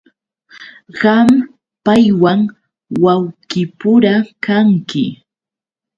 Qam paywan wawqipura kanki.